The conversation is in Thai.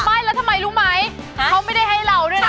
ไม่แล้วทำไมรู้ไหมเขาไม่ได้ให้เราด้วยนะ